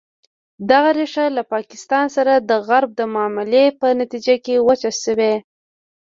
دغه ریښه له پاکستان سره د غرب د معاملې په نتیجه کې وچه شوې.